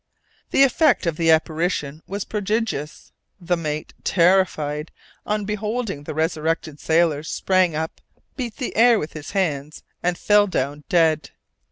The effect of the apparition was prodigious. The mate, terrified on beholding the resuscitated sailor, sprang up, beat the air with his hands, and fell down dead.